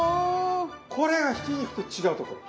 これがひき肉と違うところ。